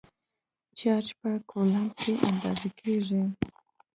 چارج په کولمب کې اندازه کېږي.